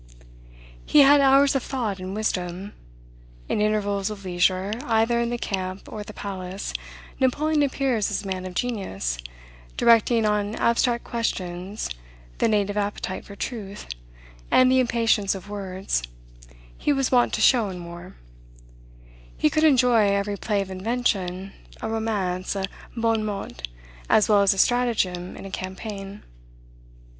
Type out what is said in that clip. He had hours of thought and wisdom. In intervals of leisure, either in the camp or the palace, Napoleon appears as a man of genius, directing on abstract questions the native appetite for truth, and the impatience of words, he was wont to show in war. He could enjoy every play of invention, a romance, a bon mot, as well as a stratagem in a campaign.